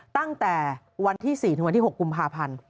ตั้งแต่วันที่๔๖กุมภาพันธ์